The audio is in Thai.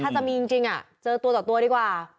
ถ้าจะมีจริงอะเจอตัวดีกว่า